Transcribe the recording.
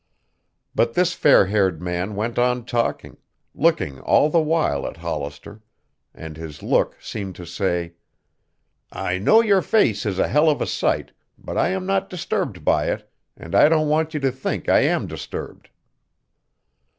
But this fair haired man went on talking, looking all the while at Hollister, and his look seemed to say, "I know your face is a hell of a sight, but I am not disturbed by it, and I don't want you to think I am disturbed."